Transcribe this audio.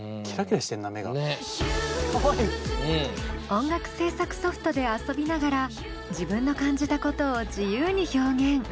音楽制作ソフトで遊びながら自分の感じたことを自由に表現。